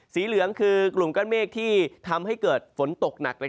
เหลืองคือกลุ่มก้อนเมฆที่ทำให้เกิดฝนตกหนัก